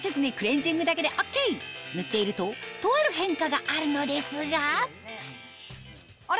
塗っているととある変化があるのですがあれ？